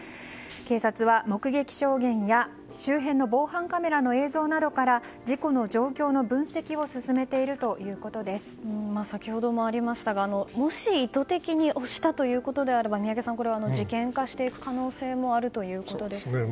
警察は目撃証言や周辺の防犯カメラの映像などから事故の状況の分析を先ほどもありましたがもし意図的に押したということであれば宮家さん、事件化していく可能性もあるということですね。